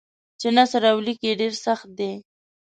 چې نثر او لیک یې ډېر سخت دی.